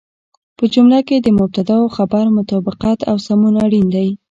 په جمله کې د مبتدا او خبر مطابقت او سمون اړين دی.